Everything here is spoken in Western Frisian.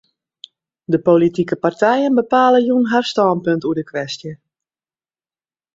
De politike partijen bepale jûn har stânpunt oer de kwestje.